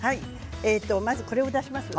まずは、これを出します。